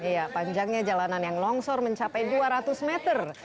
iya panjangnya jalanan yang longsor mencapai dua ratus meter